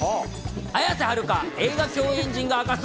綾瀬はるか、映画共演陣が明かす